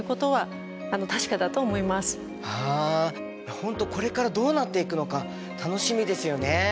本当これからどうなっていくのか楽しみですよね。